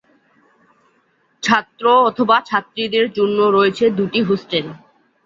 ছাত্র /ছাত্রীদের জন্য রয়েছে দুটি হোস্টেল।